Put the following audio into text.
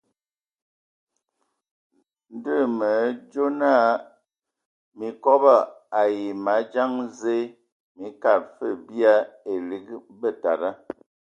Ndɔ hm me adzo naa mii kobo ai madzaŋ Zǝə, mii kad fǝg bia elig betada.